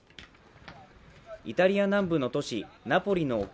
イタリア南部の都市ナポリ沖